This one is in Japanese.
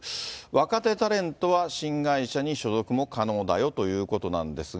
若手タレントは新会社に所属も可能だよということなんですが。